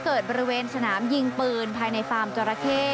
เกิดบริเวณสนามยิงปืนภายในฟาร์มจราเข้